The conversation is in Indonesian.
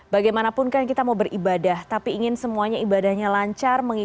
bagaimanapun kan kita mau beribadah tapi ingin semuanya ibadahnya lancar